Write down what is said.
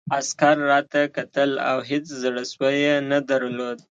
عسکر راته کتل او هېڅ زړه سوی یې نه درلود